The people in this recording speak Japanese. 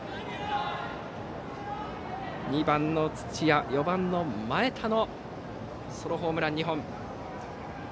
２番、土屋４番、前田のソロホームラン２本。